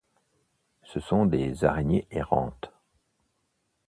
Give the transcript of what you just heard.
Ce sont des araignées errantes.